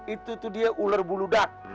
itu tuh dia ular bulu dak